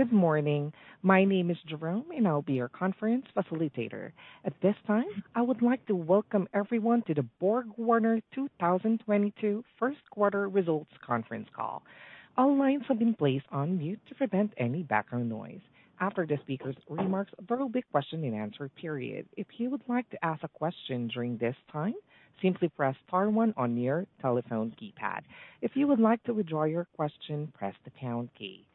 Good morning. My name is Jerome, and I'll be your conference facilitator. At this time, I would like to welcome everyone to the BorgWarner 2022 first quarter results conference call. All lines have been placed on mute to prevent any background noise. After the speaker's remarks, there will be question and answer period. If you would like to ask a question during this time, simply press star one on your telephone keypad. If you would like to withdraw your question, press the pound key.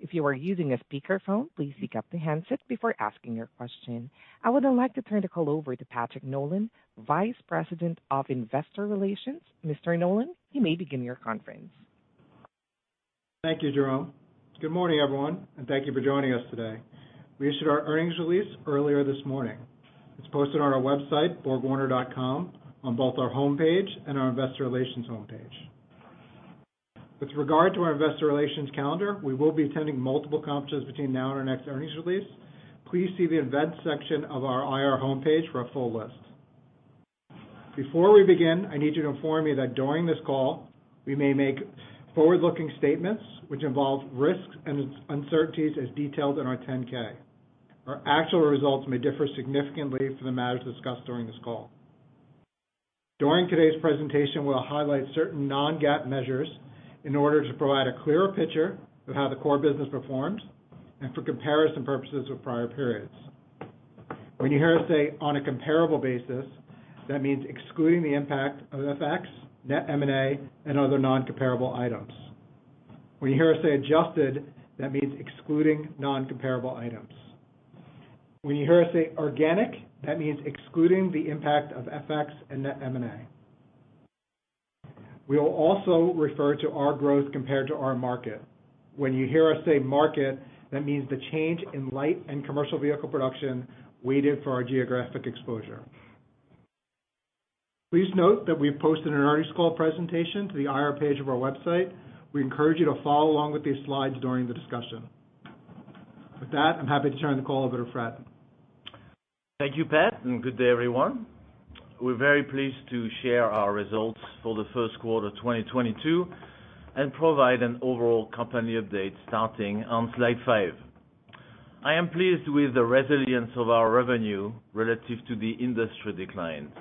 If you are using a speakerphone, please pick up the handset before asking your question. I would now like to turn the call over to Patrick Nolan, Vice President of Investor Relations. Mr. Nolan, you may begin your conference. Thank you, Jerome. Good morning, everyone, and thank you for joining us today. We issued our earnings release earlier this morning. It's posted on our website, borgwarner.com, on both our homepage and our investor relations homepage. With regard to our investor relations calendar, we will be attending multiple conferences between now and our next earnings release. Please see the events section of our IR homepage for a full list. Before we begin, I need to inform you that during this call, we may make forward-looking statements which involve risks and uncertainties as detailed in our 10-K. Our actual results may differ significantly from the matters discussed during this call. During today's presentation, we'll highlight certain non-GAAP measures in order to provide a clearer picture of how the core business performed and for comparison purposes with prior periods. When you hear us say, "On a comparable basis," that means excluding the impact of FX, net M&A, and other non-comparable items. When you hear us say, "Adjusted," that means excluding non-comparable items. When you hear us say, "Organic," that means excluding the impact of FX and net M&A. We will also refer to our growth compared to our market. When you hear us say, "Market," that means the change in light and commercial vehicle production weighted for our geographic exposure. Please note that we've posted an earnings call presentation to the IR page of our website. We encourage you to follow along with these slides during the discussion. With that, I'm happy to turn the call over to Fréd. Thank you, Patrick, and good day, everyone. We're very pleased to share our results for the first quarter of 2022 and provide an overall company update starting on slide five. I am pleased with the resilience of our revenue relative to the industry decline.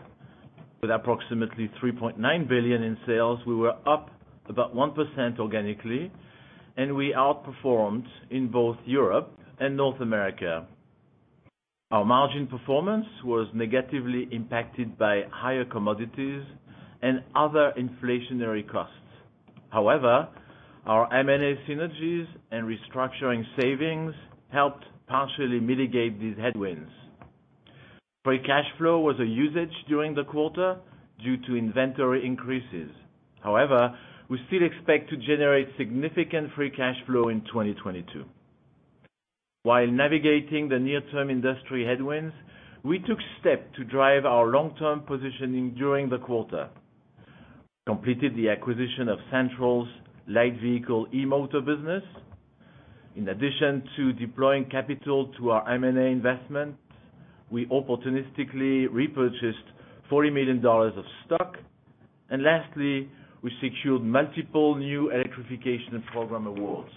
With approximately $3.9 billion in sales, we were up about 1% organically, and we outperformed in both Europe and North America. Our margin performance was negatively impacted by higher commodities and other inflationary costs. However, our M&A synergies and restructuring savings helped partially mitigate these headwinds. Free cash flow was a usage during the quarter due to inventory increases. However, we still expect to generate significant free cash flow in 2022. While navigating the near-term industry headwinds, we took steps to drive our long-term positioning during the quarter. We completed the acquisition of Santroll's light vehicle eMotor business. In addition to deploying capital to our M&A investment, we opportunistically repurchased $40 million of stock. Lastly, we secured multiple new electrification program awards.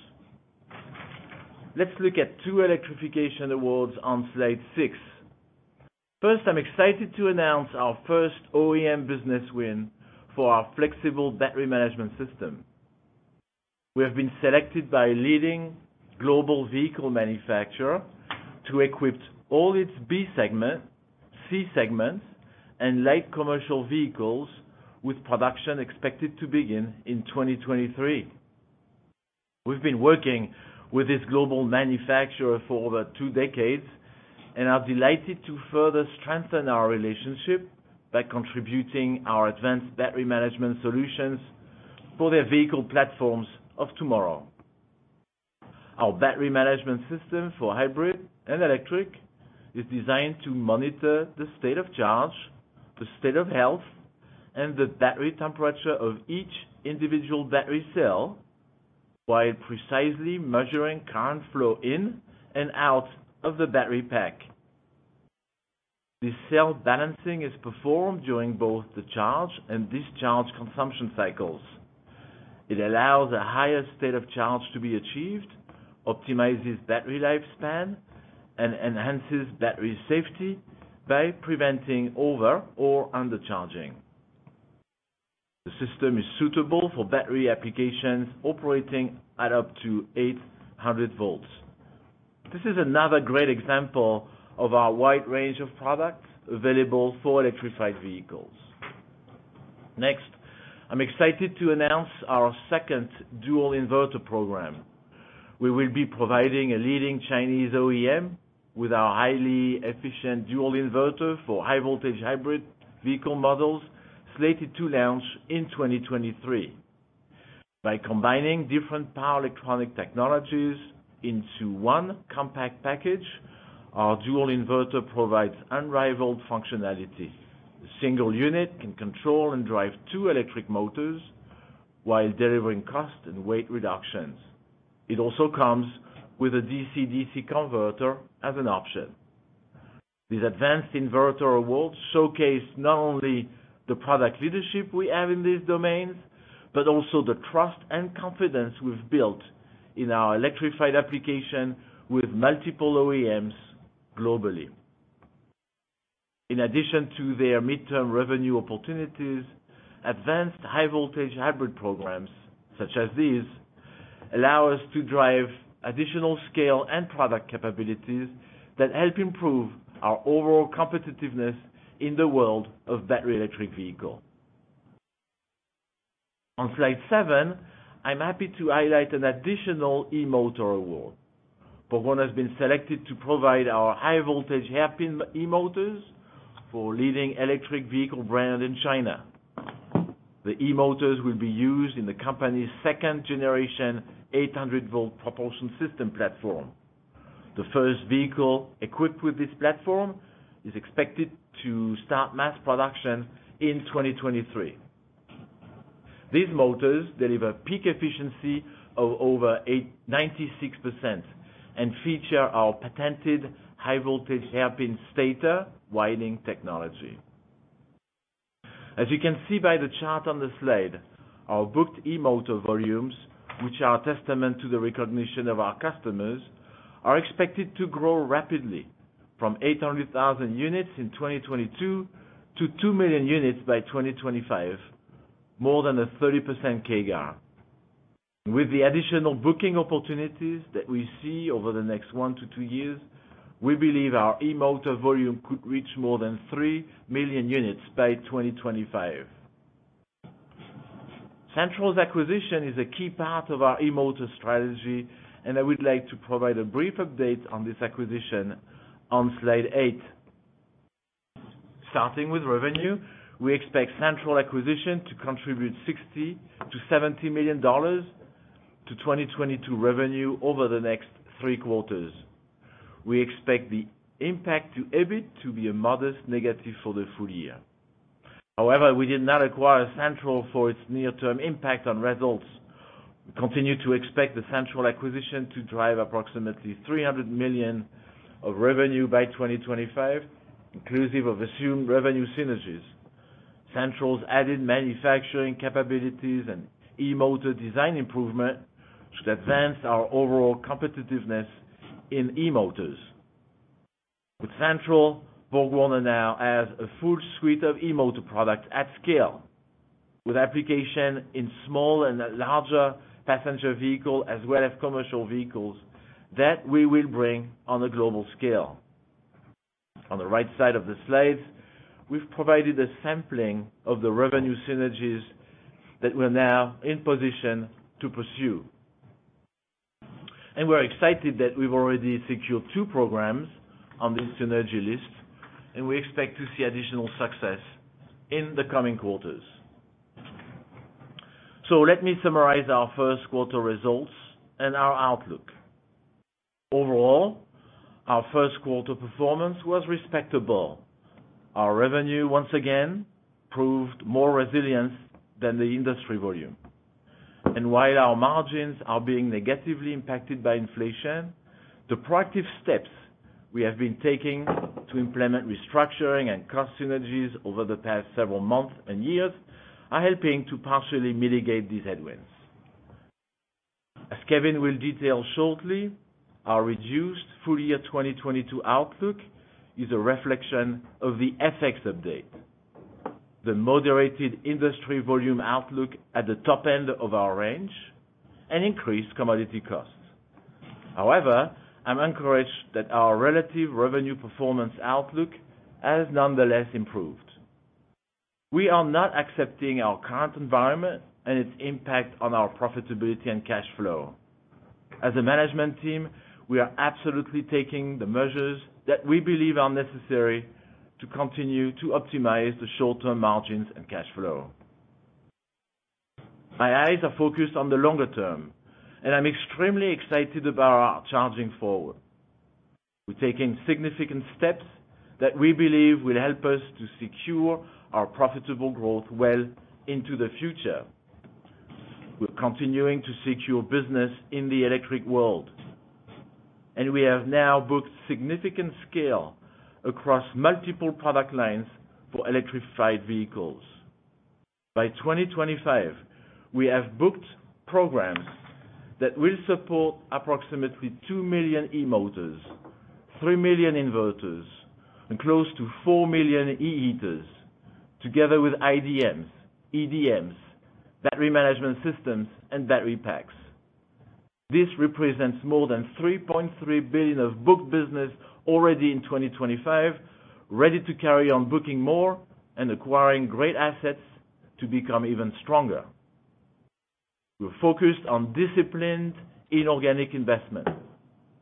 Let's look at two electrification awards on slide six. First, I'm excited to announce our first OEM business win for our flexible battery management system. We have been selected by a leading global vehicle manufacturer to equip all its B-segment, C-segment, and light commercial vehicles with production expected to begin in 2023. We've been working with this global manufacturer for over two decades and are delighted to further strengthen our relationship by contributing our advanced battery management solutions for their vehicle platforms of tomorrow. Our battery management system for hybrid and electric is designed to monitor the state of charge, the state of health, and the battery temperature of each individual battery cell while precisely measuring current flow in and out of the battery pack. This cell balancing is performed during both the charge and discharge consumption cycles. It allows the highest state of charge to be achieved, optimizes battery lifespan, and enhances battery safety by preventing over or under charging. The system is suitable for battery applications operating at up to 800 volts. This is another great example of our wide range of products available for electrified vehicles. Next, I'm excited to announce our second dual inverter program. We will be providing a leading Chinese OEM with our highly efficient dual inverter for high voltage hybrid vehicle models slated to launch in 2023. By combining different power electronic technologies into one compact package, our dual inverter provides unrivaled functionality. A single unit can control and drive two electric motors while delivering cost and weight reductions. It also comes with a DC-DC converter as an option. These advanced inverter awards showcase not only the product leadership we have in these domains, but also the trust and confidence we've built in our electrified application with multiple OEMs globally. In addition to their midterm revenue opportunities, advanced high voltage hybrid programs, such as these, allow us to drive additional scale and product capabilities that help improve our overall competitiveness in the world of battery electric vehicle. On slide seven, I'm happy to highlight an additional e-motor award. BorgWarner has been selected to provide our high voltage hairpin e-motors for leading electric vehicle brand in China. The e-motors will be used in the company's second-generation 800-volt propulsion system platform. The first vehicle equipped with this platform is expected to start mass production in 2023. These motors deliver peak efficiency of over 96% and feature our patented high voltage hairpin stator winding technology. As you can see by the chart on the slide, our booked e-motor volumes, which are a testament to the recognition of our customers, are expected to grow rapidly from 800,000 units in 2022 to 2 million units by 2025, more than a 30% CAGR. With the additional booking opportunities that we see over the next one-two years, we believe our e-motor volume could reach more than 3 million units by 2025. Santroll's acquisition is a key part of our e-motor strategy, and I would like to provide a brief update on this acquisition on slide eight. Starting with revenue, we expect Santroll acquisition to contribute $60 million-$70 million to 2022 revenue over the next three quarters. We expect the impact to EBIT to be a modest negative for the full year. However, we did not acquire Santroll for its near-term impact on results. We continue to expect the Santroll acquisition to drive approximately $300 million of revenue by 2025, inclusive of assumed revenue synergies. Santroll's added manufacturing capabilities and e-motor design improvement should advance our overall competitiveness in e-motors. With Santroll, BorgWarner now has a full suite of e-motor products at scale, with application in small and larger passenger vehicle as well as commercial vehicles that we will bring on a global scale. On the right side of the slide, we've provided a sampling of the revenue synergies that we're now in position to pursue. We're excited that we've already secured two programs on this synergy list, and we expect to see additional success in the coming quarters. Let me summarize our first quarter results and our outlook. Overall, our first quarter performance was respectable. Our revenue, once again, proved more resilience than the industry volume. While our margins are being negatively impacted by inflation, the proactive steps we have been taking to implement restructuring and cost synergies over the past several months and years are helping to partially mitigate these headwinds. As Kevin will detail shortly, our reduced full year 2022 outlook is a reflection of the FX update, the moderated industry volume outlook at the top end of our range, and increased commodity costs. However, I'm encouraged that our relative revenue performance outlook has nonetheless improved. We are not accepting our current environment and its impact on our profitability and cash flow. As a management team, we are absolutely taking the measures that we believe are necessary to continue to optimize the short-term margins and cash flow. My eyes are focused on the longer term, and I'm extremely excited about our Charging Forward. We're taking significant steps that we believe will help us to secure our profitable growth well into the future. We're continuing to secure business in the electric world, and we have now booked significant scale across multiple product lines for electrified vehicles. By 2025, we have booked programs that will support approximately two million e-motors, three million inverters, and close to four million e-heaters, together with IDMs, EDMs, battery management systems, and battery packs. This represents more than $3.3 billion of booked business already in 2025, ready to carry on booking more and acquiring great assets to become even stronger. We're focused on disciplined inorganic investment,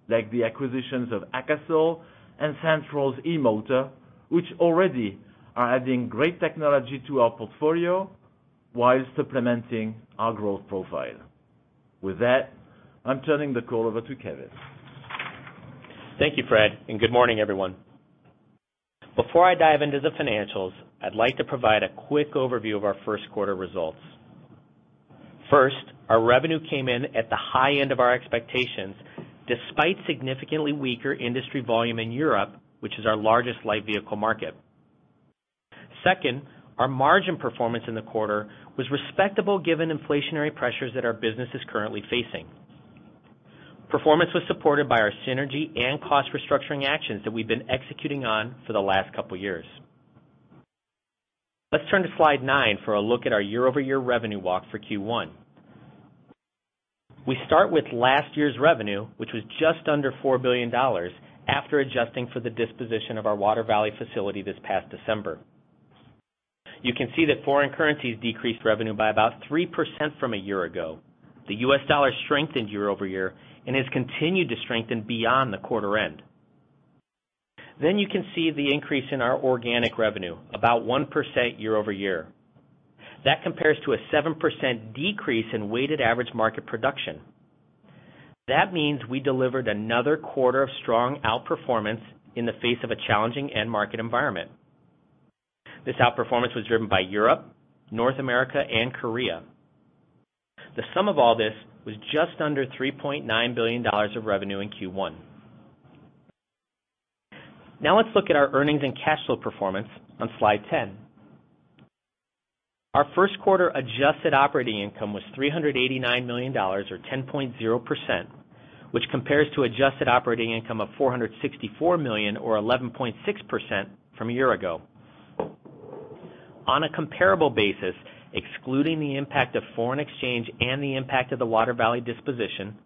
like the acquisitions of AKASOL and Santroll's eMotor, which already are adding great technology to our portfolio while supplementing our growth profile. With that, I'm turning the call over to Kevin. Thank you, Fréd, and good morning, everyone. Before I dive into the financials, I'd like to provide a quick overview of our first quarter results. First, our revenue came in at the high end of our expectations despite significantly weaker industry volume in Europe, which is our largest light vehicle market. Second, our margin performance in the quarter was respectable given inflationary pressures that our business is currently facing. Performance was supported by our synergy and cost restructuring actions that we've been executing on for the last couple years. Let's turn to slide nine for a look at our year-over-year revenue walk for Q1. We start with last year's revenue, which was just under $4 billion after adjusting for the disposition of our Water Valley facility this past December. You can see that foreign currencies decreased revenue by about 3% from a year ago. The US dollar strengthened year-over-year and has continued to strengthen beyond the quarter end. You can see the increase in our organic revenue, about 1% year-over-year. That compares to a 7% decrease in weighted average market production. That means we delivered another quarter of strong outperformance in the face of a challenging end market environment. This outperformance was driven by Europe, North America, and Korea. The sum of all this was just under $3.9 billion of revenue in Q1. Now let's look at our earnings and cash flow performance on slide 10. Our first quarter adjusted operating income was $389 million or 10.0%, which compares to adjusted operating income of $464 million or 11.6% from a year ago. On a comparable basis, excluding the impact of foreign exchange and the impact of the Water Valley disposition,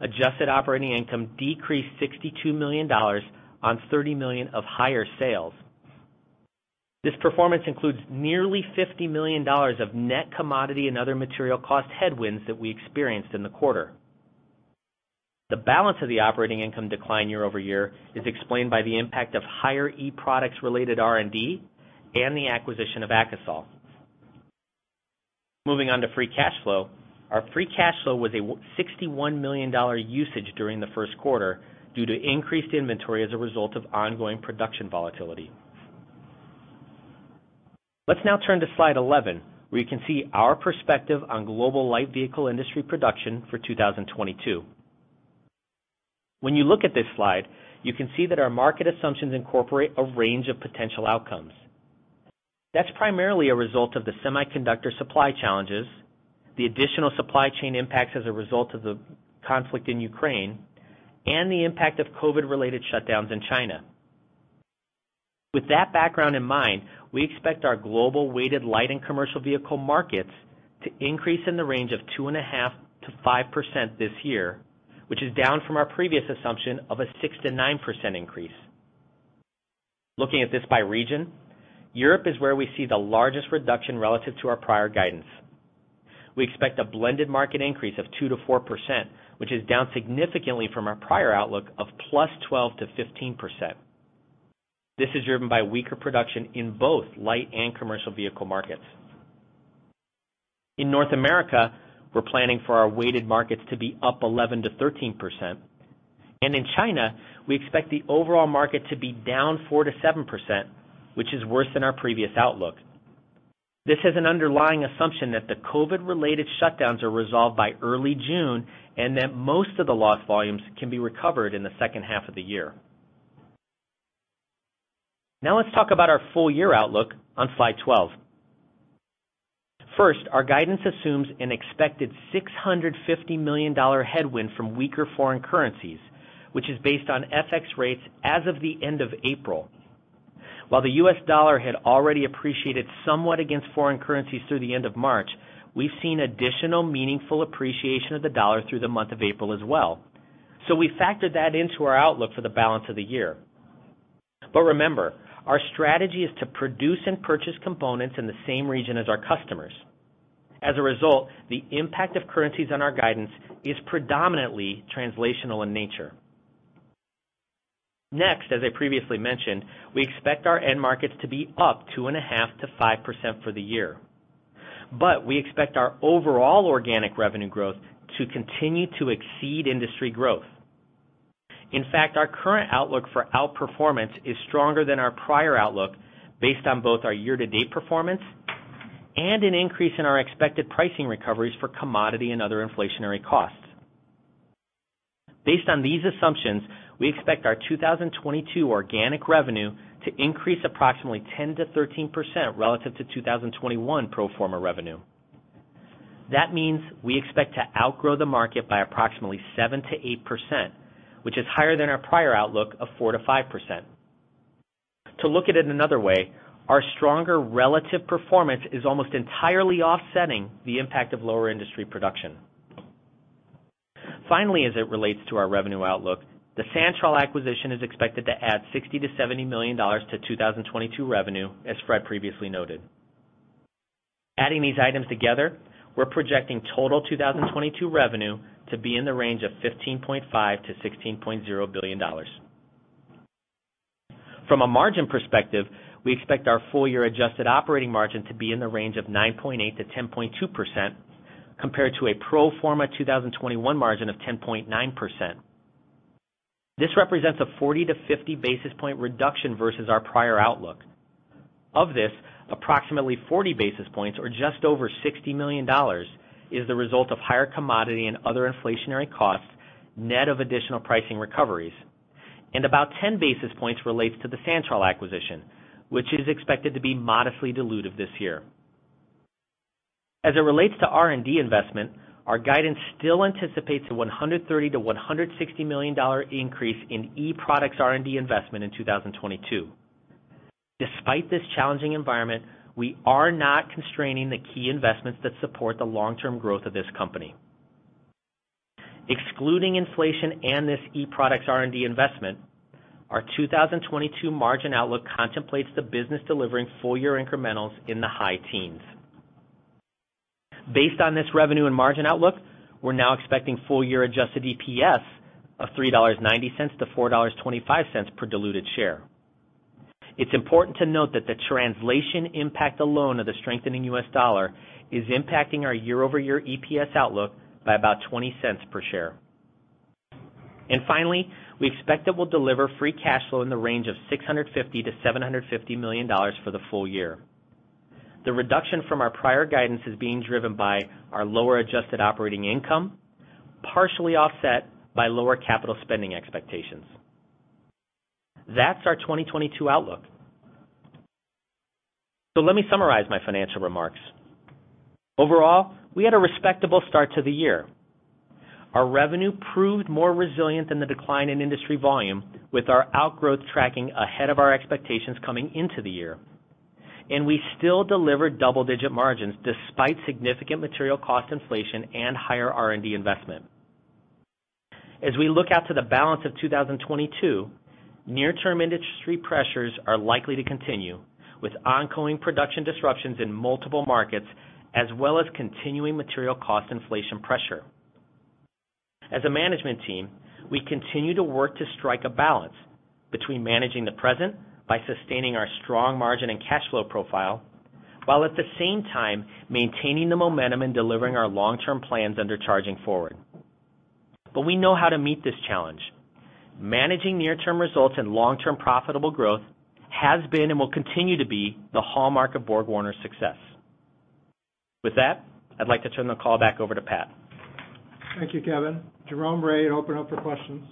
adjusted operating income decreased $62 million on $30 million of higher sales. This performance includes nearly $50 million of net commodity and other material cost headwinds that we experienced in the quarter. The balance of the operating income decline year-over-year is explained by the impact of higher eProducts related R&D and the acquisition of AKASOL. Moving on to free cash flow. Our free cash flow was a $61 million usage during the first quarter due to increased inventory as a result of ongoing production volatility. Let's now turn to slide 11, where you can see our perspective on global light vehicle industry production for 2022. When you look at this slide, you can see that our market assumptions incorporate a range of potential outcomes. That's primarily a result of the semiconductor supply challenges, the additional supply chain impacts as a result of the conflict in Ukraine, and the impact of COVID-related shutdowns in China. With that background in mind, we expect our global weighted light and commercial vehicle markets to increase in the range of 2.5%-5% this year, which is down from our previous assumption of a 6%-9% increase. Looking at this by region, Europe is where we see the largest reduction relative to our prior guidance. We expect a blended market increase of 2%-4%, which is down significantly from our prior outlook of +12%-15%. This is driven by weaker production in both light and commercial vehicle markets. In North America, we're planning for our weighted markets to be up 11%-13%. In China, we expect the overall market to be down 4%-7%, which is worse than our previous outlook. This is an underlying assumption that the COVID-related shutdowns are resolved by early June, and that most of the lost volumes can be recovered in the second half of the year. Now let's talk about our full year outlook on slide 12. First, our guidance assumes an expected $650 million headwind from weaker foreign currencies, which is based on FX rates as of the end of April. While the US dollar had already appreciated somewhat against foreign currencies through the end of March, we've seen additional meaningful appreciation of the dollar through the month of April as well. We factored that into our outlook for the balance of the year. Remember, our strategy is to produce and purchase components in the same region as our customers. As a result, the impact of currencies on our guidance is predominantly translational in nature. Next, as I previously mentioned, we expect our end markets to be up 2.5%-5% for the year. We expect our overall organic revenue growth to continue to exceed industry growth. In fact, our current outlook for outperformance is stronger than our prior outlook based on both our year-to-date performance and an increase in our expected pricing recoveries for commodity and other inflationary costs. Based on these assumptions, we expect our 2022 organic revenue to increase approximately 10%-13% relative to 2021 pro forma revenue. That means we expect to outgrow the market by approximately 7%-8%, which is higher than our prior outlook of 4%-5%. To look at it another way, our stronger relative performance is almost entirely offsetting the impact of lower industry production. Finally, as it relates to our revenue outlook, the Santroll acquisition is expected to add $60 million-$70 million to 2022 revenue, as Fréd previously noted. Adding these items together, we're projecting total 2022 revenue to be in the range of $15.5 billion-$16.0 billion. From a margin perspective, we expect our full year adjusted operating margin to be in the range of 9.8%-10.2% compared to a pro forma 2021 margin of 10.9%. This represents a 40 basis points-50 basis points reduction versus our prior outlook. Of this, approximately 40 basis points or just over $60 million is the result of higher commodity and other inflationary costs, net of additional pricing recoveries. About 10 basis points relates to the Santroll acquisition, which is expected to be modestly dilutive this year. As it relates to R&D investment, our guidance still anticipates a $130 million-$160 million increase in eProducts R&D investment in 2022. Despite this challenging environment, we are not constraining the key investments that support the long-term growth of this company. Excluding inflation and this eProducts R&D investment, our 2022 margin outlook contemplates the business delivering full year incrementals in the high teens%. Based on this revenue and margin outlook, we're now expecting full year adjusted EPS of $3.90-$4.25 per diluted share. It's important to note that the translation impact alone of the strengthening US dollar is impacting our year-over-year EPS outlook by about $0.20 cents per share. Finally, we expect that we'll deliver free cash flow in the range of $650 million-$750 million for the full year. The reduction from our prior guidance is being driven by our lower adjusted operating income, partially offset by lower capital spending expectations. That's our 2022 outlook. Let me summarize my financial remarks. Overall, we had a respectable start to the year. Our revenue proved more resilient than the decline in industry volume, with our outgrowth tracking ahead of our expectations coming into the year, and we still delivered double-digit margins despite significant material cost inflation and higher R&D investment. As we look out to the balance of 2022, near-term industry pressures are likely to continue, with ongoing production disruptions in multiple markets as well as continuing material cost inflation pressure. As a management team, we continue to work to strike a balance between managing the present by sustaining our strong margin and cash flow profile, while at the same time maintaining the momentum in delivering our long-term plans under Charging Forward. We know how to meet this challenge. Managing near-term results and long-term profitable growth has been and will continue to be the hallmark of BorgWarner's success. With that, I'd like to turn the call back over to Patrick. Thank you, Kevin. Jerome, Ray, open up for questions.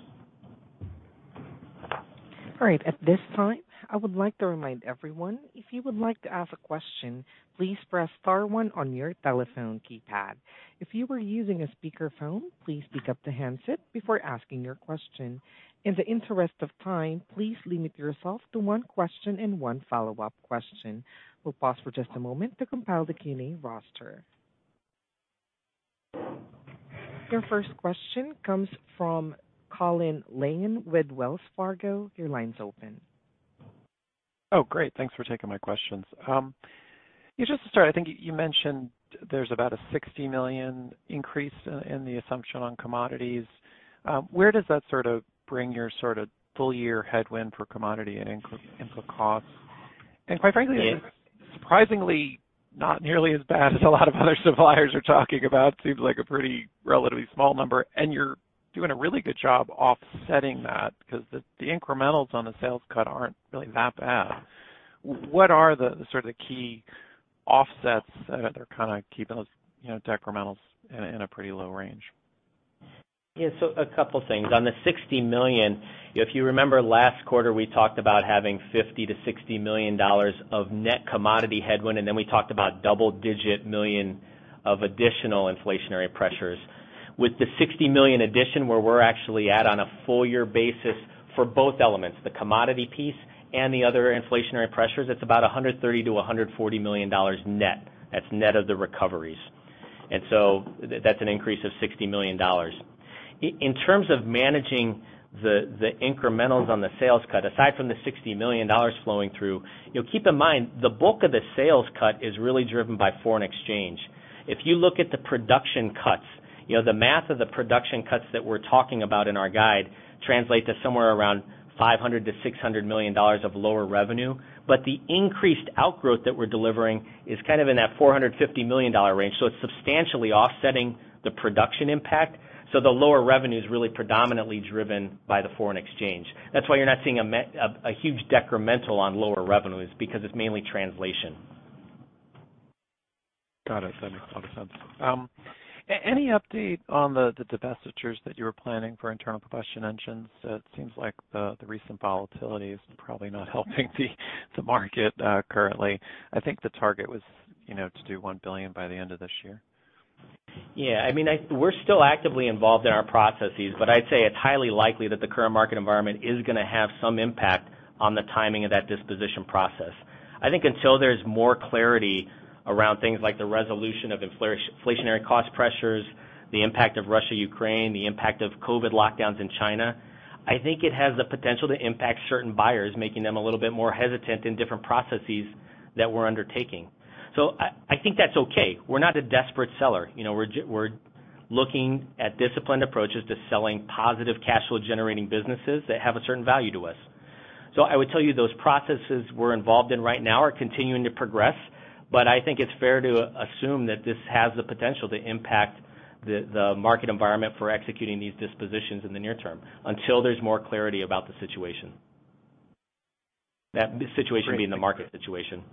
All right, at this time, I would like to remind everyone if you would like to ask a question, please press star one on your telephone keypad. If you were using a speakerphone, please pick up the handset before asking your question. In the interest of time, please limit yourself to one question and one follow-up question. We'll pause for just a moment to compile the Q&A roster. Your first question comes from Colin Langan with Wells Fargo. Your line's open. Oh, great. Thanks for taking my questions. Yeah, just to start, I think you mentioned there's about a $60 million increase in the assumption on commodities. Where does that sort of bring your sort of full year headwind for commodity and input costs? Quite frankly, surprisingly, not nearly as bad as a lot of other suppliers are talking about, seems like a pretty relatively small number, and you're doing a really good job offsetting that 'cause the incrementals on the sales side aren't really that bad. What are the sort of key offsets that are kinda keeping those, you know, decrementals in a pretty low range? Yeah. A couple things. On the $60 million, if you remember last quarter, we talked about having $50 million-$60 million of net commodity headwind, and then we talked about double-digit million of additional inflationary pressures. With the $60 million addition, where we're actually at on a full year basis for both elements, the commodity piece and the other inflationary pressures, it's about $130 million-$140 million net. That's net of the recoveries. That's an increase of $60 million. In terms of managing the incrementals on the sales cut, aside from the $60 million flowing through, you know, keep in mind, the bulk of the sales cut is really driven by foreign exchange. If you look at the production cuts, you know, the math of the production cuts that we're talking about in our guide translate to somewhere around $500 million-$600 million of lower revenue. The increased outgrowth that we're delivering is kind of in that $450 million range, so it's substantially offsetting the production impact. The lower revenue is really predominantly driven by the foreign exchange. That's why you're not seeing a huge decremental on lower revenues because it's mainly translation. Got it. That makes a lot of sense. Any update on the divestitures that you were planning for internal combustion engines? It seems like the recent volatility is probably not helping the market currently. I think the target was, you know, to do $1 billion by the end of this year. Yeah. I mean, we're still actively involved in our processes, but I'd say it's highly likely that the current market environment is gonna have some impact on the timing of that disposition process. I think until there's more clarity around things like the resolution of inflationary cost pressures, the impact of Russia-Ukraine, the impact of COVID lockdowns in China, I think it has the potential to impact certain buyers, making them a little bit more hesitant in different processes that we're undertaking. I think that's okay. We're not a desperate seller. You know, we're looking at disciplined approaches to selling positive cash flow generating businesses that have a certain value to us. I would tell you those processes we're involved in right now are continuing to progress, but I think it's fair to assume that this has the potential to impact the market environment for executing these dispositions in the near term until there's more clarity about the situation. That situation being the market situation.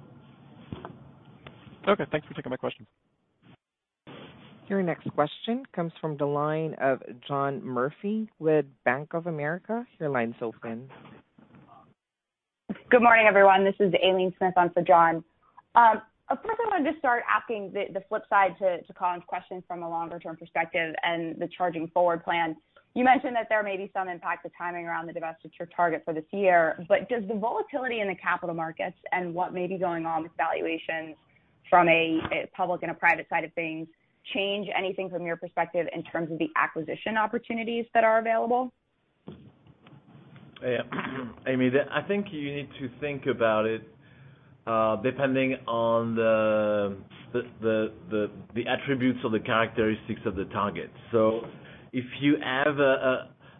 Okay. Thanks for taking my question. Your next question comes from the line of John Murphy with Bank of America. Your line's open. Good morning, everyone. This is Aileen Smith on for John. First I wanted to start asking the flip side to Colin's question from a longer-term perspective and the Charging Forward plan. You mentioned that there may be some impact to timing around the divestiture target for this year, but does the volatility in the capital markets and what may be going on with valuations from a public and a private side of things change anything from your perspective in terms of the acquisition opportunities that are available? Yeah. Aileen, I think you need to think about it depending on the attributes or the characteristics of the target. If you have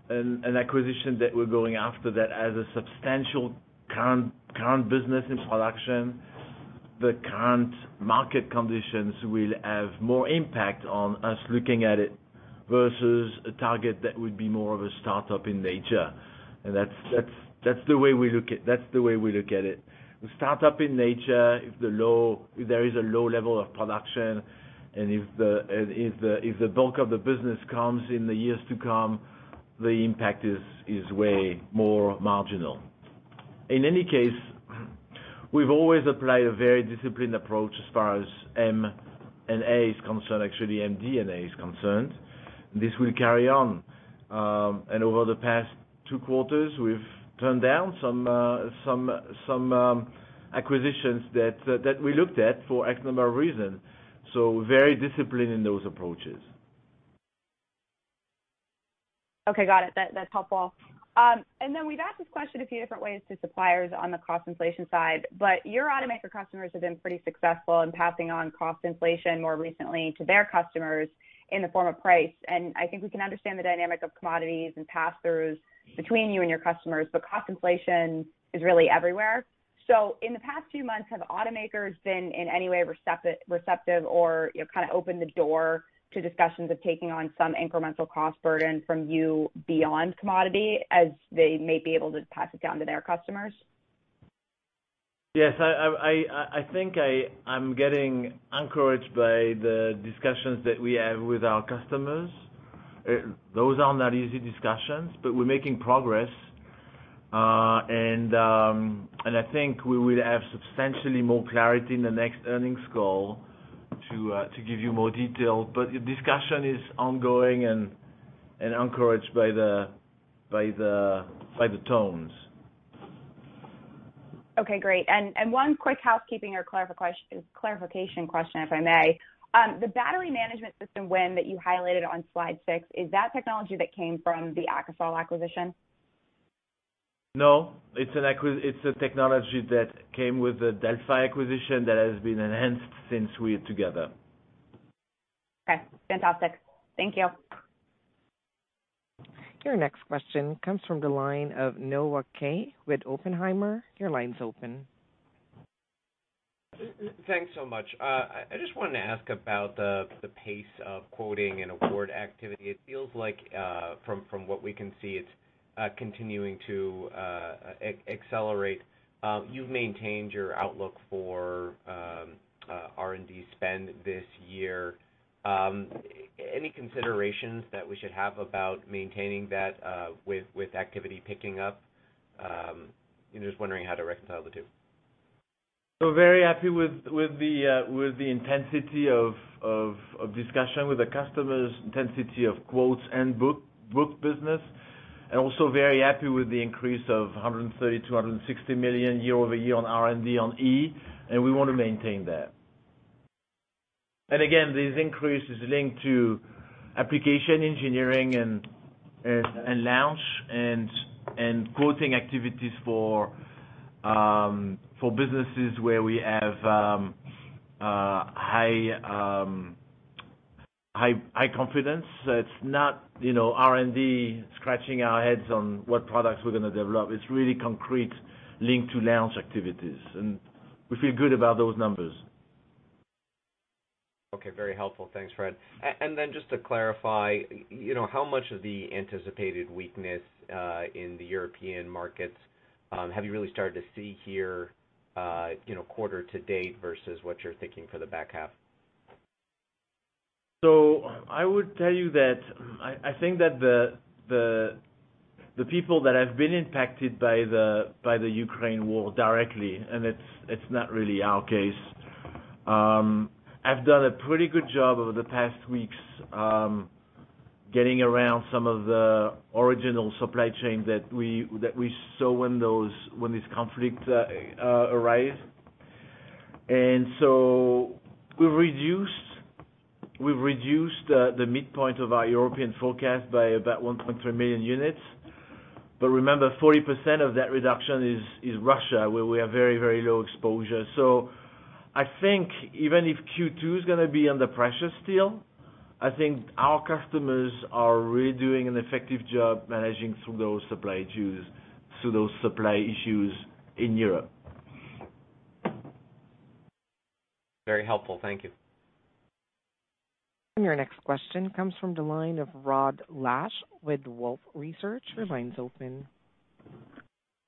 an acquisition that we're going after that has a substantial current business in production, the current market conditions will have more impact on us looking at it versus a target that would be more of a start-up in nature. That's the way we look at it. The start-up in nature, if there is a low level of production, and if the bulk of the business comes in the years to come, the impact is way more marginal. In any case, we've always applied a very disciplined approach as far as M&A is concerned. Actually, MD&A is concerned. This will carry on. Over the past two quarters, we've turned down some acquisitions that we looked at for X number of reasons. Very disciplined in those approaches. Okay. Got it. That's helpful. We've asked this question a few different ways to suppliers on the cost inflation side, but your automaker customers have been pretty successful in passing on cost inflation more recently to their customers in the form of price. I think we can understand the dynamic of commodities and pass-throughs between you and your customers, but cost inflation is really everywhere. In the past few months, have automakers been in any way receptive or, you know, kind of opened the door to discussions of taking on some incremental cost burden from you beyond commodity, as they may be able to pass it down to their customers? Yes. I think I'm getting encouraged by the discussions that we have with our customers. Those are not easy discussions, but we're making progress. I think we will have substantially more clarity in the next earnings call to give you more detail. The discussion is ongoing and encouraged by the tones. Great. One quick housekeeping or clarification question, if I may. The battery management system win that you highlighted on slide six, is that technology that came from the AKASOL acquisition? No. It's a technology that came with the Delphi acquisition that has been enhanced since we're together. Okay, fantastic. Thank you. Your next question comes from the line of Noah Kaye with Oppenheimer. Your line's open. Thanks so much. I just wanted to ask about the pace of quoting and award activity. It feels like from what we can see, it's continuing to accelerate. You've maintained your outlook for R&D spend this year. Any considerations that we should have about maintaining that with activity picking up? And just wondering how to reconcile the two. Very happy with the intensity of discussion with the customers, intensity of quotes and booked business, and also very happy with the increase of $130 million-$160 million year-over-year on R&D on EV, and we want to maintain that. Again, this increase is linked to application engineering and launch and quoting activities for businesses where we have high confidence. It's not, you know, R&D scratching our heads on what products we're gonna develop. It's really concrete link to launch activities, and we feel good about those numbers. Okay, very helpful. Thanks, Fréd. And then just to clarify, you know, how much of the anticipated weakness in the European markets have you really started to see here, you know, quarter to date versus what you're thinking for the back half? I would tell you that I think that the people that have been impacted by the Ukraine war directly, and it's not really our case, have done a pretty good job over the past weeks, getting around some of the original supply chain that we saw when this conflict arise. We've reduced the midpoint of our European forecast by about 1.3 million units. But remember, 40% of that reduction is Russia, where we have very low exposure. I think even if Q2 is gonna be under pressure still, I think our customers are really doing an effective job managing through those supply issues in Europe. Very helpful. Thank you. Your next question comes from the line of Rod Lache with Wolfe Research. Your line's open.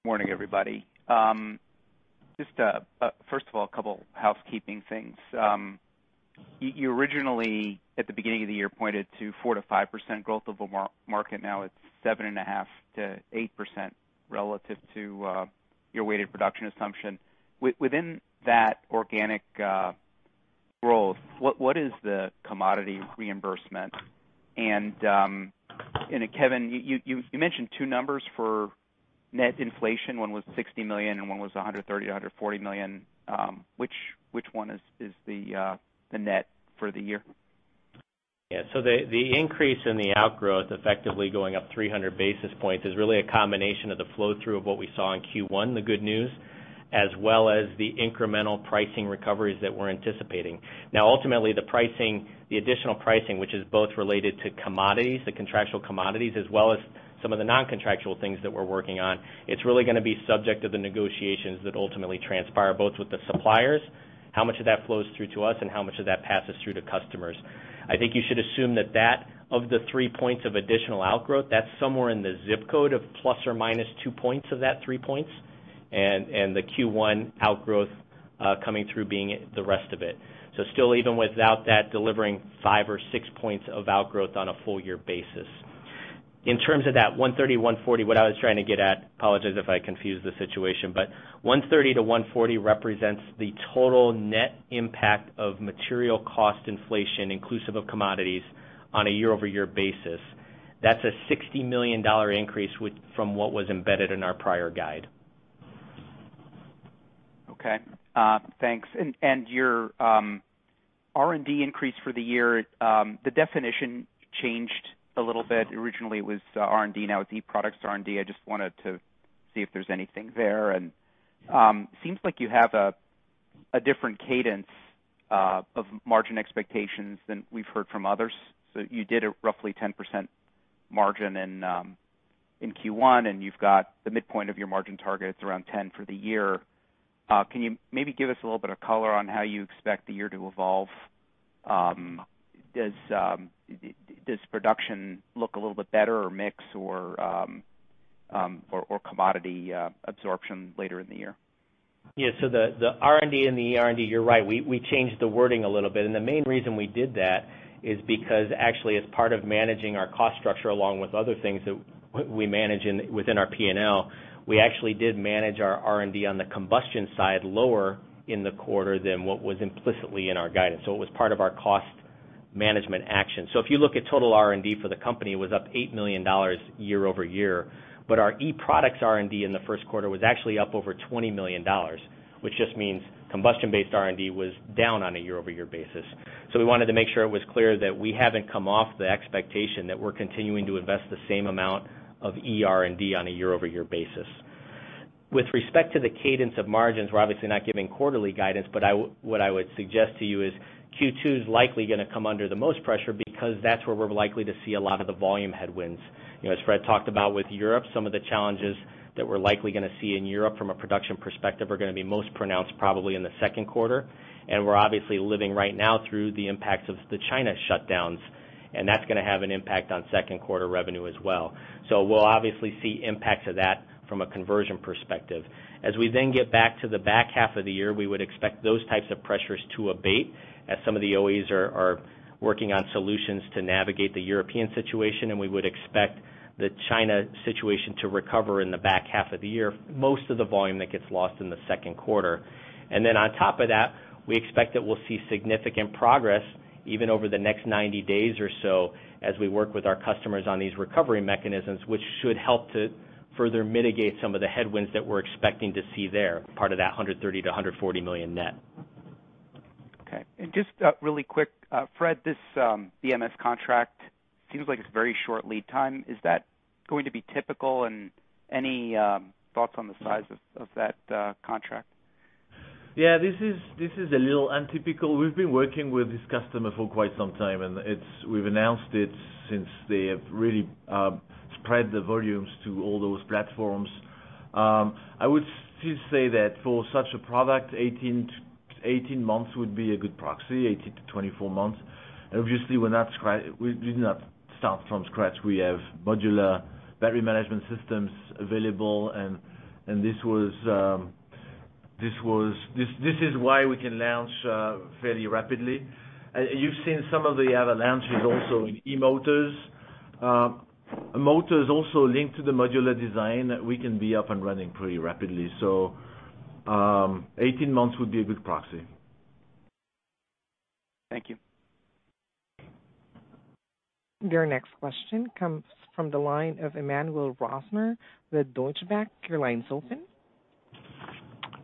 Morning, everybody. Just first of all, a couple housekeeping things. You originally, at the beginning of the year, pointed to 4%-5% growth of a market. Now it's 7.5%-8% relative to your weighted production assumption. Within that organic growth, what is the commodity reimbursement? Kevin, you mentioned two numbers for net inflation. One was $60 million and one was $130 million-$140 million. Which one is the net for the year? Yeah. The increase in the outgrowth effectively going up 300 basis points is really a combination of the flow-through of what we saw in Q1, the good news, as well as the incremental pricing recoveries that we're anticipating. Now ultimately, the pricing, the additional pricing, which is both related to commodities, the contractual commodities, as well as some of the non-contractual things that we're working on, it's really gonna be subject to the negotiations that ultimately transpire, both with the suppliers, how much of that flows through to us and how much of that passes through to customers. I think you should assume that of the three points of additional outgrowth, that's somewhere in the zip code of ±2 points of that three points, and the Q1 outgrowth coming through being it, the rest of it. Still even without that delivering five or six points of outgrowth on a full year basis. In terms of that $130 million, $140 million, what I was trying to get at, apologize if I confused the situation, but $130 million-$140 million represents the total net impact of material cost inflation inclusive of commodities on a year-over-year basis. That's a $60 million increase with, from what was embedded in our prior guide. Okay. Thanks. Your R&D increase for the year, the definition changed a little bit. Originally, it was R&D, now it's eProducts R&D. I just wanted to see if there's anything there. Seems like you have a different cadence of margin expectations than we've heard from others. You did a roughly 10% margin in Q1, and you've got the midpoint of your margin target, it's around 10% for the year. Can you maybe give us a little bit of color on how you expect the year to evolve? Does production look a little bit better or mix or commodity absorption later in the year? The R&D and the e-R&D, you're right, we changed the wording a little bit. The main reason we did that is because actually, as part of managing our cost structure along with other things that we manage within our P&L, we actually did manage our R&D on the combustion side lower in the quarter than what was implicitly in our guidance. It was part of our cost management action. If you look at total R&D for the company, it was up $8 million year-over-year. Our eProducts R&D in the first quarter was actually up over $20 million, which just means combustion-based R&D was down on a year-over-year basis. We wanted to make sure it was clear that we haven't come off the expectation that we're continuing to invest the same amount of e-R&D on a year-over-year basis. With respect to the cadence of margins, we're obviously not giving quarterly guidance, but what I would suggest to you is Q2 is likely gonna come under the most pressure because that's where we're likely to see a lot of the volume headwinds. You know, as Fréd talked about with Europe, some of the challenges that we're likely gonna see in Europe from a production perspective are gonna be most pronounced probably in the second quarter. We're obviously living right now through the impacts of the China shutdowns, and that's gonna have an impact on second quarter revenue as well. We'll obviously see impacts of that from a conversion perspective. As we then get back to the back half of the year, we would expect those types of pressures to abate as some of the OEs are working on solutions to navigate the European situation, and we would expect the China situation to recover in the back half of the year, most of the volume that gets lost in the second quarter. Then on top of that, we expect that we'll see significant progress even over the next 90 days or so as we work with our customers on these recovery mechanisms, which should help to further mitigate some of the headwinds that we're expecting to see there, part of that $130 million-$140 million net. Okay. Just really quick, Fréd, this BMS contract seems like it's very short lead time. Is that going to be typical? Any thoughts on the size of that contract? Yeah, this is a little untypical. We've been working with this customer for quite some time, and we've announced it since they have really spread the volumes to all those platforms. I would still say that for such a product, 18 months would be a good proxy, 18 months-24 months. Obviously, we did not start from scratch. We have modular battery management systems available and this is why we can launch fairly rapidly. You've seen some of the other launches also in eMotor. Motors also link to the modular design that we can be up and running pretty rapidly. 18 months would be a good proxy. Thank you. Your next question comes from the line of Emmanuel Rosner with Deutsche Bank. Your line's open.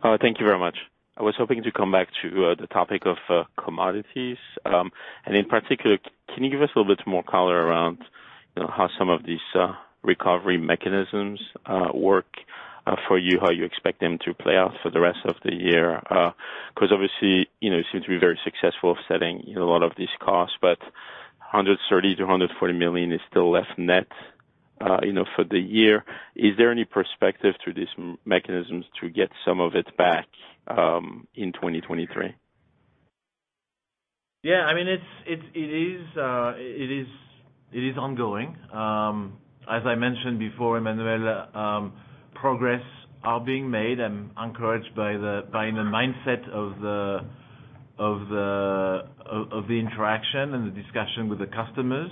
Oh, thank you very much. I was hoping to come back to the topic of commodities. In particular, can you give us a little bit more color around how some of these recovery mechanisms work for you, how you expect them to play out for the rest of the year. 'Cause obviously, you know, it seems to be very successful setting, you know, a lot of these costs, but $130 million-$140 million is still a net loss, you know, for the year. Is there any prospect to these mechanisms to get some of it back in 2023? Yeah. I mean, it is ongoing. As I mentioned before, Emmanuel, progress are being made. I'm encouraged by the mindset of the interaction and the discussion with the customers.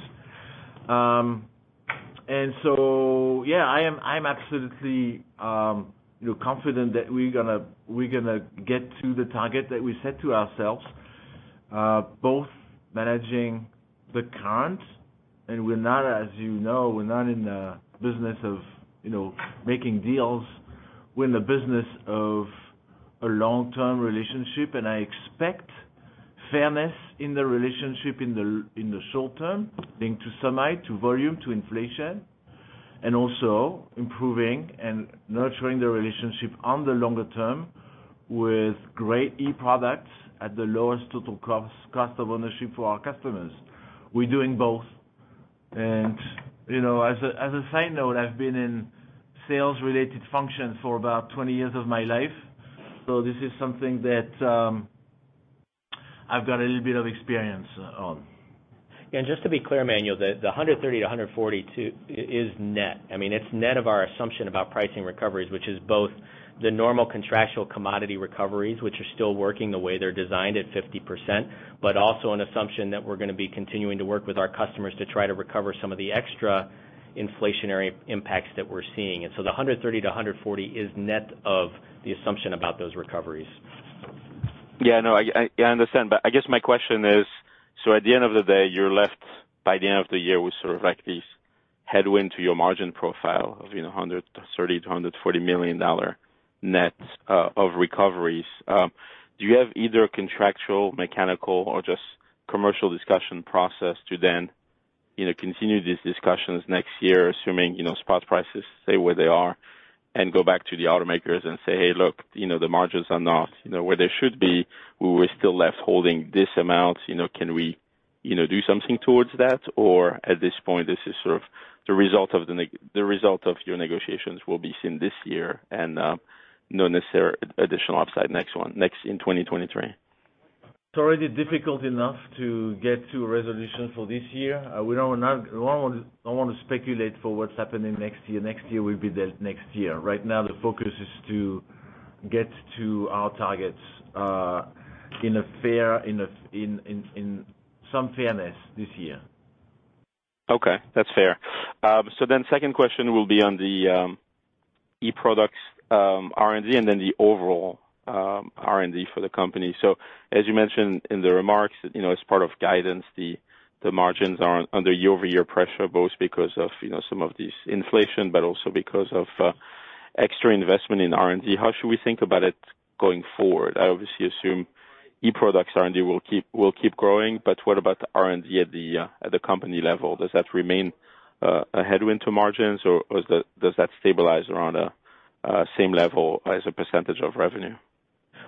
Yeah, I'm absolutely, you know, confident that we're gonna get to the target that we set to ourselves, both managing the current. We're not, as you know, in the business of making deals, we're in the business of a long-term relationship. I expect fairness in the relationship in the short term linked to semi, to volume, to inflation, and also improving and nurturing the relationship on the longer term with great eProducts at the lowest total cost of ownership for our customers. We're doing both. You know, as a side note, I've been in sales-related functions for about 20 years of my life, so this is something that I've got a little bit of experience on. Just to be clear, Emmanuel, the $130 million-$140 million is net. I mean, it's net of our assumption about pricing recoveries, which is both the normal contractual commodity recoveries, which are still working the way they're designed at 50%, but also an assumption that we're gonna be continuing to work with our customers to try to recover some of the extra inflationary impacts that we're seeing. The $130 million-$140 million is net of the assumption about those recoveries. I understand. I guess my question is, at the end of the day, you're left by the end of the year with sort of like this headwind to your margin profile of, you know, $130 million-$140 million net of recoveries. Do you have either contractual, mechanical or just commercial discussion process to then, you know, continue these discussions next year, assuming, you know, spot prices stay where they are, and go back to the automakers and say, "Hey, look, you know, the margins are not, you know, where they should be. We're still left holding this amount, you know, can we, you know, do something towards that? At this point, this is sort of the result of your negotiations will be seen this year and not necessarily additional upside next, in 2023. It's already difficult enough to get to a resolution for this year. We don't wanna speculate for what's happening next year. Next year will be the next year. Right now, the focus is to get to our targets, in some fairness this year. Okay. That's fair. Second question will be on the eProducts R&D, and then the overall R&D for the company. As you mentioned in the remarks, you know, as part of guidance, the margins are under year-over-year pressure, both because of, you know, some of this inflation, but also because of extra investment in R&D. How should we think about it going forward? I obviously assume eProducts R&D will keep growing, but what about R&D at the company level? Does that remain a headwind to margins, or does that stabilize around the same level as a percentage of revenue?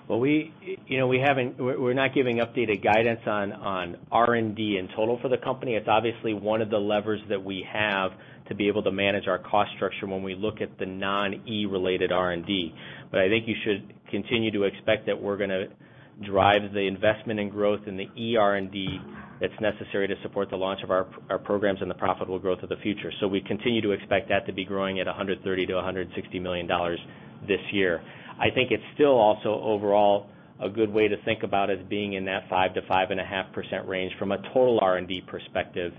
Well, you know, we haven't. We're not giving updated guidance on R&D in total for the company. It's obviously one of the levers that we have to be able to manage our cost structure when we look at the non-e related R&D. I think you should continue to expect that we're gonna drive the investment and growth in the e R&D that's necessary to support the launch of our programs and the profitable growth of the future. We continue to expect that to be growing at $130 million-$160 million this year. I think it's still also overall a good way to think about as being in that 5%-5.5% range from a total R&D perspective,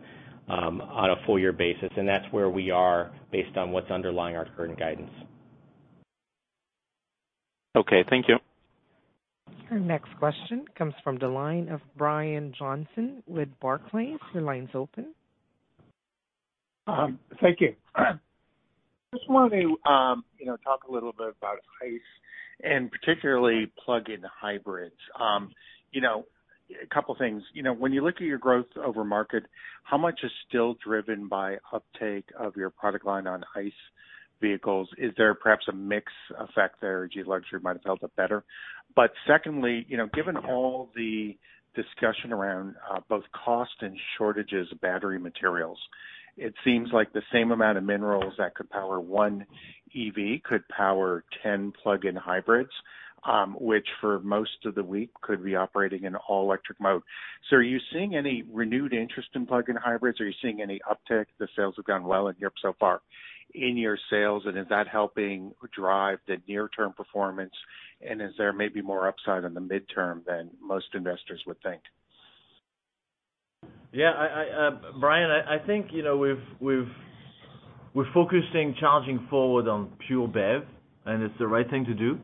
on a full year basis, and that's where we are based on what's underlying our current guidance. Okay, thank you. Your next question comes from the line of Brian Johnson with Barclays. Your line's open. Thank you. Just wanted to, you know, talk a little bit about ICE and particularly plug-in hybrids. You know, a couple things. You know, when you look at your growth over market, how much is still driven by uptake of your product line on ICE vehicles? Is there perhaps a mix effect there, D/E luxury might have held up better. But secondly, you know, given all the discussion around, both cost and shortages of battery materials, it seems like the same amount of minerals that could power 1 EV could power 10 plug-in hybrids, which for most of the week could be operating in all electric mode. So are you seeing any renewed interest in plug-in hybrids? Are you seeing any uptick, the sales have gone well in Europe so far, in your sales, and is that helping drive the near-term performance? Is there maybe more upside on the midterm than most investors would think? Yeah. Brian, I think, you know, we're focusing Charging Forward on pure BEV, and it's the right thing to do.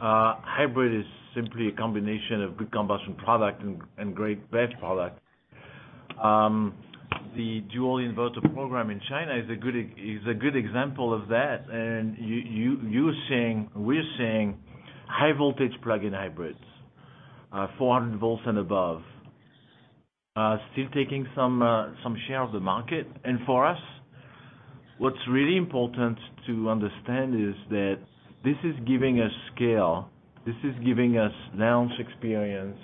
Hybrid is simply a combination of good combustion product and great BEV product. The dual inverter program in China is a good example of that. We're seeing high voltage plug-in hybrids, 400 volts and above, still taking some share of the market. For us, what's really important to understand is that this is giving us scale, this is giving us launch experience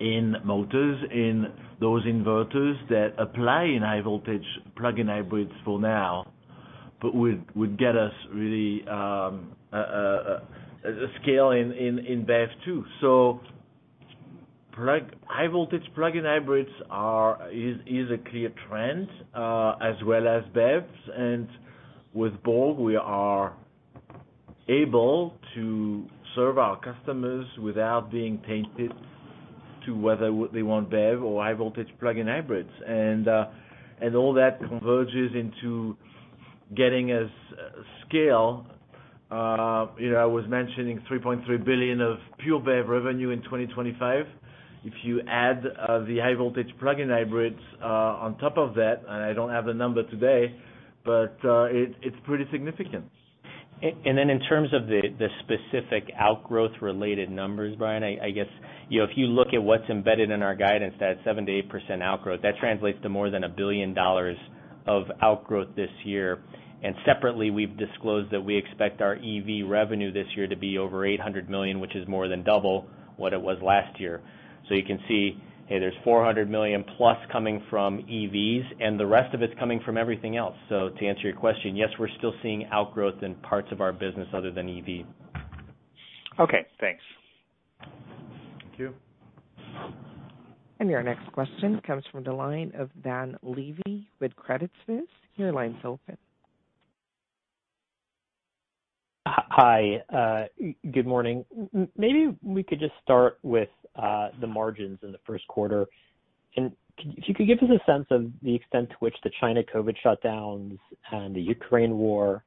in motors, in those inverters that apply in high voltage plug-in hybrids for now, but would get us really a scale in BEV too. High voltage plug-in hybrids are a clear trend, as well as BEVs. With both, we are able to serve our customers without being tied to whether they want BEV or high voltage plug-in hybrids. All that converges into getting us scale. You know, I was mentioning $3.3 billion of pure BEV revenue in 2025. If you add the high voltage plug-in hybrids on top of that, and I don't have the number today, but it's pretty significant. Then in terms of the specific outgrowth related numbers, Brian, I guess, you know, if you look at what's embedded in our guidance, that 7%-8% outgrowth, that translates to more than $1 billion of outgrowth this year. Separately, we've disclosed that we expect our EV revenue this year to be over $800 million, which is more than double what it was last year. You can see, hey, there's $400 million plus coming from EVs, and the rest of it's coming from everything else. To answer your question, yes, we're still seeing outgrowth in parts of our business other than EV. Okay, thanks. Thank you. Your next question comes from the line of Dan Levy with Credit Suisse. Your line's open. Hi. Good morning. Maybe we could just start with the margins in the first quarter. If you could give us a sense of the extent to which the China COVID shutdowns and the Ukraine war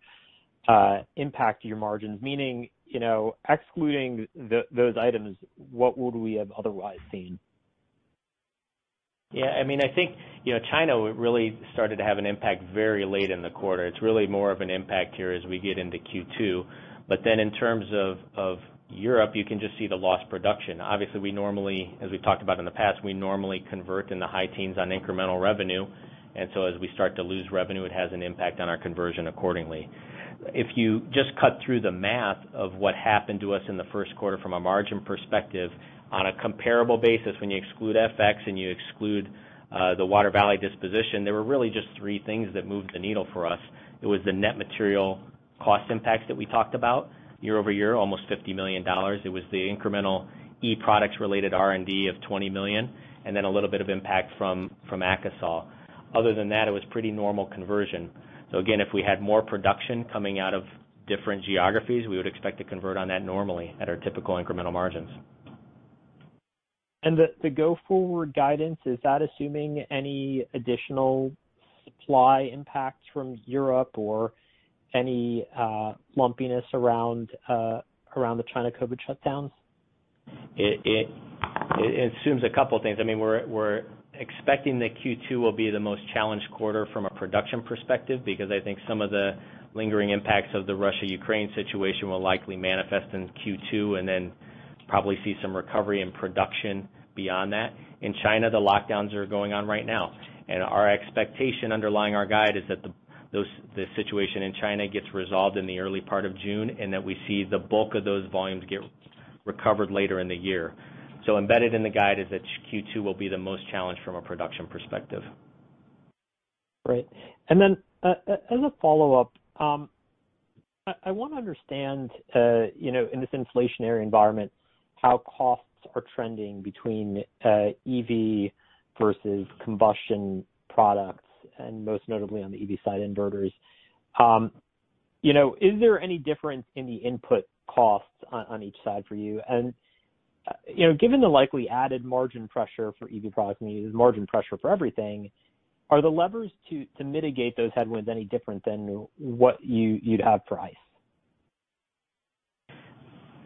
impact your margins, meaning, you know, excluding those items, what would we have otherwise seen? Yeah, I mean, I think, you know, China really started to have an impact very late in the quarter. It's really more of an impact here as we get into Q2. In terms of Europe, you can just see the lost production. Obviously, we normally, as we talked about in the past, convert in the high teens on incremental revenue. As we start to lose revenue, it has an impact on our conversion accordingly. If you just cut through the math of what happened to us in the first quarter from a margin perspective, on a comparable basis, when you exclude FX and you exclude the Water Valley disposition, there were really just three things that moved the needle for us. It was the net material cost impacts that we talked about, year-over-year, almost $50 million. It was the incremental eProducts related R&D of $20 million, and then a little bit of impact from AKASOL. Other than that, it was pretty normal conversion. Again, if we had more production coming out of different geographies, we would expect to convert on that normally at our typical incremental margins. The go-forward guidance is that assuming any additional supply impacts from Europe or any lumpiness around the China COVID shutdowns? It assumes a couple of things. I mean, we're expecting that Q2 will be the most challenged quarter from a production perspective because I think some of the lingering impacts of the Russia-Ukraine situation will likely manifest in Q2 and then probably see some recovery in production beyond that. In China, the lockdowns are going on right now. Our expectation underlying our guide is that the situation in China gets resolved in the early part of June, and that we see the bulk of those volumes get recovered later in the year. Embedded in the guide is that Q2 will be the most challenged from a production perspective. Right. As a follow-up, I wanna understand, you know, in this inflationary environment, how costs are trending between EV versus combustion products, and most notably on the EV side inverters. You know, is there any difference in the input costs on each side for you? You know, given the likely added margin pressure for EV products, I mean, there's margin pressure for everything, are the levers to mitigate those headwinds any different than what you'd have for ICE?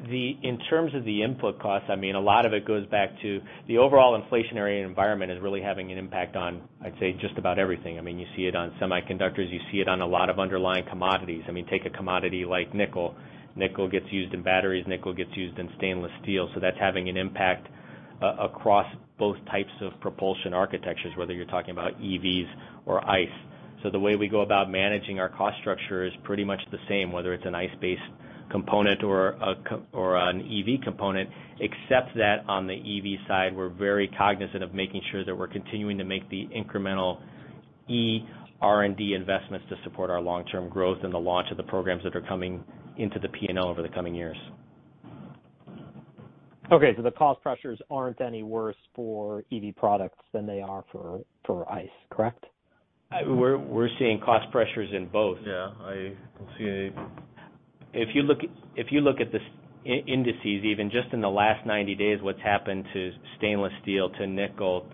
In terms of the input costs, I mean, a lot of it goes back to the overall inflationary environment is really having an impact on, I'd say, just about everything. I mean, you see it on semiconductors, you see it on a lot of underlying commodities. I mean, take a commodity like nickel. Nickel gets used in batteries, nickel gets used in stainless steel. So that's having an impact across both types of propulsion architectures, whether you're talking about EVs or ICE. The way we go about managing our cost structure is pretty much the same, whether it's an ICE-based component or an EV component, except that on the EV side, we're very cognizant of making sure that we're continuing to make the incremental EV R&D investments to support our long-term growth and the launch of the programs that are coming into the P&L over the coming years. Okay. The cost pressures aren't any worse for EV products than they are for ICE, correct? We're seeing cost pressures in both. Yeah, I don't see any. If you look at the indices, even just in the last 90 days, what's happened to stainless steel, to nickel,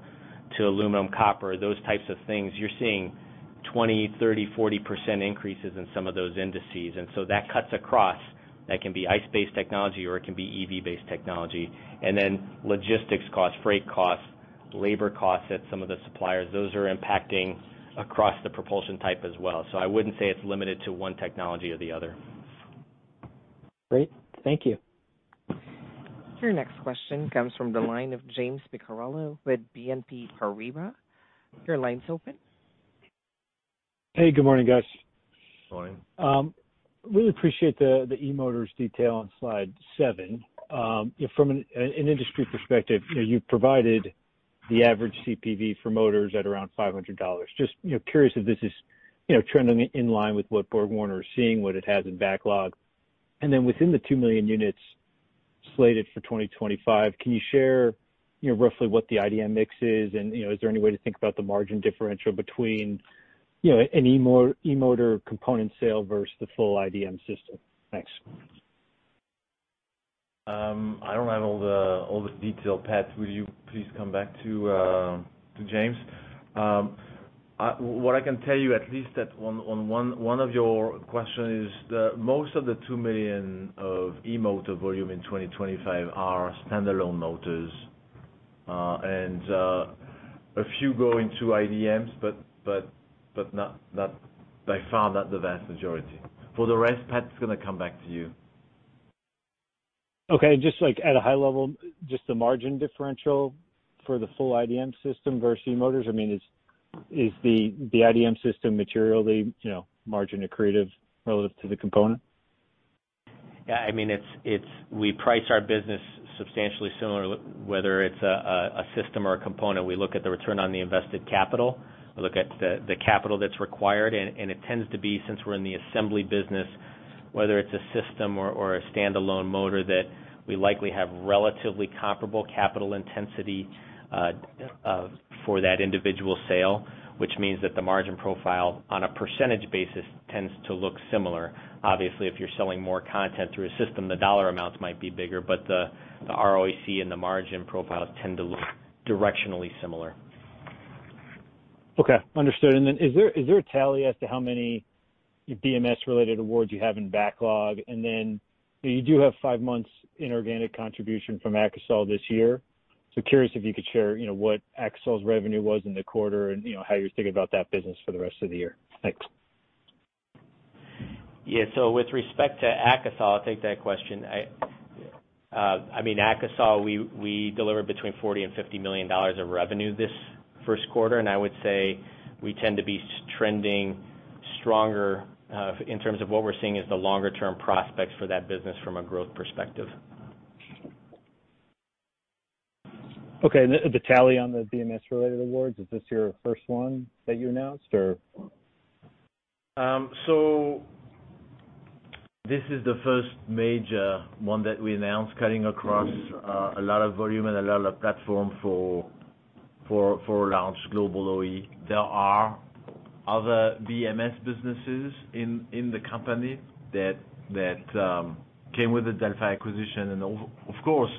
to aluminum, copper, those types of things, you're seeing 20%, 30%, 40% increases in some of those indices. That cuts across. That can be ICE-based technology or it can be EV-based technology. Logistics costs, freight costs, labor costs at some of the suppliers, those are impacting across the propulsion type as well. I wouldn't say it's limited to one technology or the other. Great. Thank you. Your next question comes from the line of James Picariello with BNP Paribas. Your line's open. Hey, good morning, guys. Morning. Really appreciate the eMotor detail on slide seven. From an industry perspective, you know, you've provided the average CPV for motors at around $500. Just curious if this is trending in line with what BorgWarner is seeing, what it has in backlog. Then within the 2 million units slated for 2025, can you share roughly what the IDM mix is? Is there any way to think about the margin differential between an eMotor component sale versus the full IDM system? Thanks. I don't have all the detail. Patrick, will you please come back to James? What I can tell you at least that on one of your question is that most of the two million of e-motor volume in 2025 are standalone motors, and a few going to IDM, but not by far, not the vast majority. For the rest, Patrick's gonna come back to you. Just like at a high level, just the margin differential for the full IDM system versus eMotor. I mean, is the IDM system materially, you know, margin accretive relative to the component? Yeah, I mean, it's we price our business substantially similar, whether it's a system or a component. We look at the return on the invested capital. We look at the capital that's required, and it tends to be, since we're in the assembly business, whether it's a system or a standalone motor that we likely have relatively comparable capital intensity for that individual sale, which means that the margin profile on a percentage basis tends to look similar. Obviously, if you're selling more content through a system, the dollar amounts might be bigger, but the ROEC and the margin profiles tend to look directionally similar. Okay. Understood. Is there a tally as to how many BMS-related awards you have in backlog? You do have five months inorganic contribution from AKASOL this year. Curious if you could share, you know, what AKASOL's revenue was in the quarter and, you know, how you're thinking about that business for the rest of the year. Thanks. With respect to AKASOL, I'll take that question. I mean, AKASOL, we delivered between $40 million and $50 million of revenue this first quarter, and I would say we tend to be trending stronger in terms of what we're seeing as the longer term prospects for that business from a growth perspective. Okay. The tally on the BMS-related awards, is this your first one that you announced or? This is the first major one that we announced cutting across a lot of volume and a lot of platform for a large global OE. There are other BMS businesses in the company that came with the Delphi acquisition. Of course,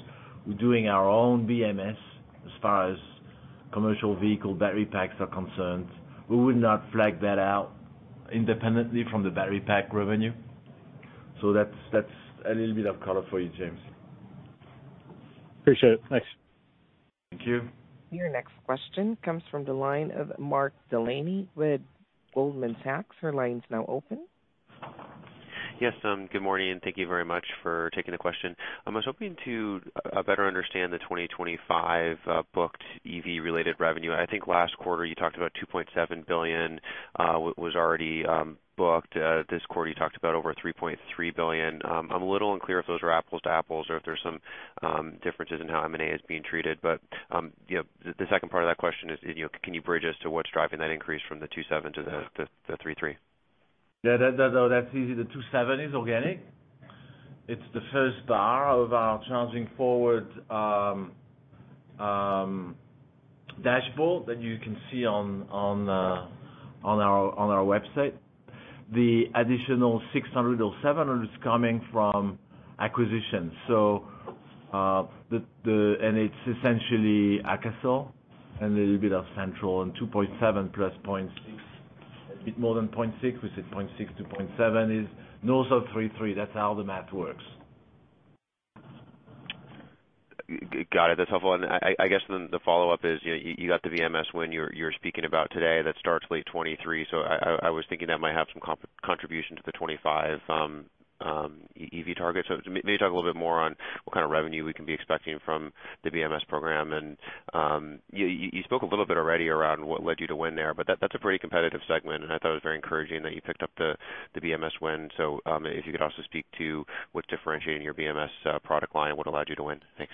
we're doing our own BMS as far as commercial vehicle battery packs are concerned. We would not flag that out independently from the battery pack revenue. That's a little bit of color for you, James. Appreciate it. Thanks. Thank you. Your next question comes from the line of Mark Delaney with Goldman Sachs. Your line's now open. Yes, good morning, and thank you very much for taking the question. I was hoping to better understand the 2025 booked EV-related revenue. I think last quarter you talked about $2.7 billion was already booked. This quarter you talked about over $3.3 billion. I'm a little unclear if those are apples to apples or if there's some differences in how M&A is being treated. You know, the second part of that question is, you know, can you bridge us to what's driving that increase from the $2.7 billion - the $3.3 billion? Yeah. That's easy. The $2.7 billion is organic. It's the first bar of our Charging Forward dashboard that you can see on our website. The additional $0.6 or $0.7 is coming from acquisition. It's essentially AKASOL and a little bit of Santroll. $2.7 billion + $0.6, a bit more than $0.6. We said $0.6-$0.7 is north of $3.3. That's how the math works. Got it. That's helpful. I guess then the follow-up is, you know, you got the BMS win you're speaking about today that starts late 2023. I was thinking that might have some contribution to the 2025 EV target. May you talk a little bit more on what kind of revenue we can be expecting from the BMS program? You spoke a little bit already around what led you to win there, but that's a pretty competitive segment. I thought it was very encouraging that you picked up the BMS win. If you could also speak to what's differentiating your BMS product line, what allowed you to win? Thanks.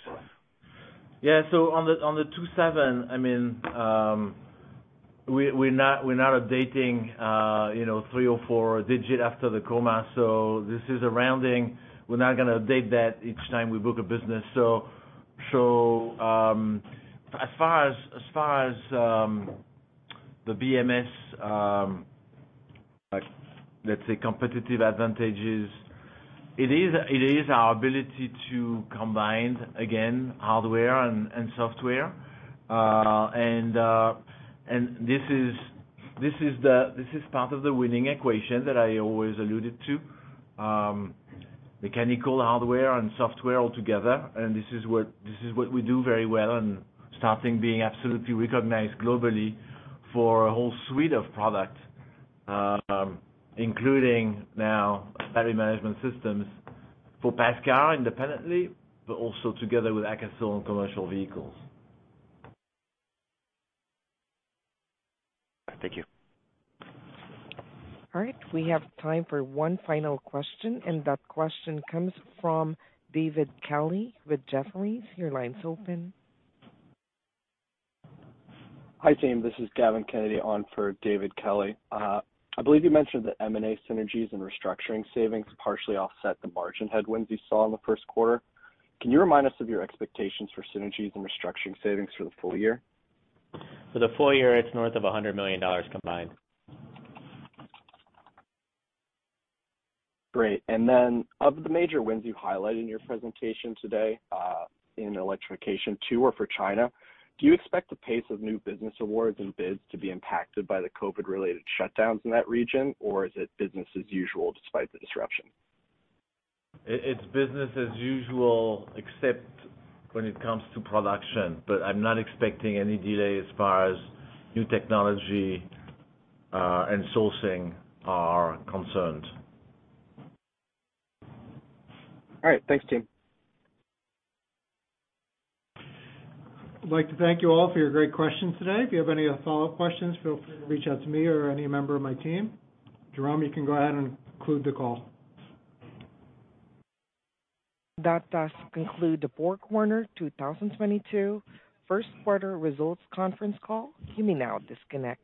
Yeah. On the $2.7 billion, I mean, we're not updating, you know, three or four digits after the comma, so this is a rounding. We're not gonna update that each time we book a business. As far as the BMS, let's say competitive advantages, it is our ability to combine, again, hardware and software. And this is the part of the winning equation that I always alluded to. Mechanical hardware and software all together. This is what we do very well and starting being absolutely recognized globally for a whole suite of product, including now battery management systems for passenger cars independently, but also together with AKASOL commercial vehicles. Thank you. All right. We have time for one final question, and that question comes from David Kelley with Jefferies. Your line's open. Hi, team. This is Gavin Kennally on for David Kelley. I believe you mentioned the M&A synergies and restructuring savings partially offset the margin headwinds you saw in the first quarter. Can you remind us of your expectations for synergies and restructuring savings for the full year? For the full year, it's north of $100 million combined. Great. Of the major wins you highlight in your presentation today, in electrification to or for China, do you expect the pace of new business awards and bids to be impacted by the COVID-related shutdowns in that region? Or is it business as usual despite the disruption? It's business as usual except when it comes to production, but I'm not expecting any delay as far as new technology and sourcing are concerned. All right. Thanks, team. I'd like to thank you all for your great questions today. If you have any follow-up questions, feel free to reach out to me or any member of my team. Jerome, you can go ahead and conclude the call. That does conclude the BorgWarner 2022 first quarter results conference call. You may now disconnect.